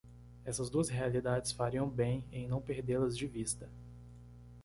Essas duas realidades fariam bem em não perdê-las de vista.